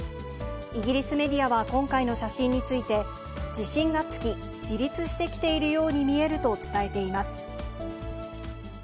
イギリスメディアは今回の写真について、自信がつき、自立してきているように見えると伝えています。